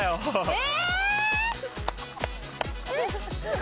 え！